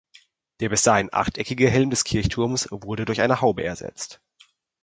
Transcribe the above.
Der bis dahin achteckige Helm des Kirchturms wurde durch eine Haube ersetzt.